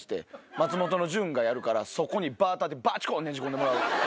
松本の潤がやるからそこにバーターでバチコンねじ込んでもらう。